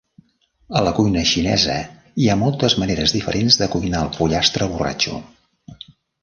A la cuina xinesa, hi ha moltes maneres diferents de cuinar el pollastre borratxo.